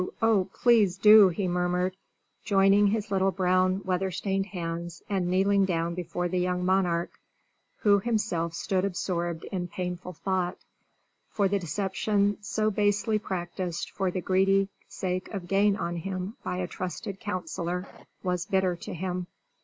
oh, please do!" he murmured, joining his little brown weather stained hands, and kneeling down before the young monarch, who himself stood absorbed in painful thought, for the deception so basely practised for the greedy sake of gain on him by a trusted counsellor was bitter to him.